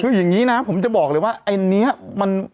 คืออย่างนี้นะผมจะบอกเลยว่าอันนี้มัน